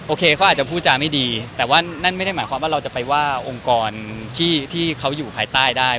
เขาอาจจะพูดจาไม่ดีแต่ว่านั่นไม่ได้หมายความว่าเราจะไปว่าองค์กรที่เขาอยู่ภายใต้ได้